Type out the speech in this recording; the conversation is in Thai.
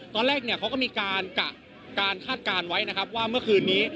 ตอนแรกเขามีการกะคาดการณ์ว่าเมื่อคืนนี้